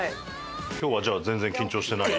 今日はじゃあ全然緊張してない？